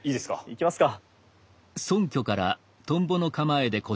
いきますか。